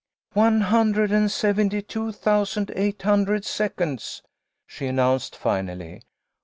" One hundred and seventy two thousand eight hundred seconds," she announced, finally.